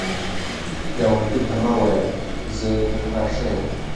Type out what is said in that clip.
ګاونډي ته مه وایه “زه تر تا ښه یم”